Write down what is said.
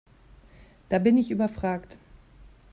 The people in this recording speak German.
Da bin ich überfragt.